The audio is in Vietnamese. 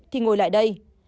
thì ngồi lại đây